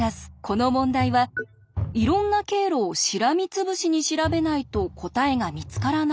この問題はいろんな経路をしらみつぶしに調べないと答えが見つからないのか？